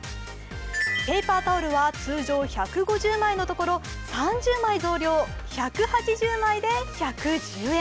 ペーパータオルは通常１５０枚のところ３０枚増量、１８０枚で１１０円。